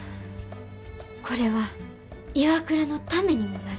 これはＩＷＡＫＵＲＡのためにもなる。